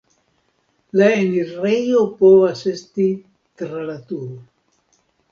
La enirejo povas esti tra la turo.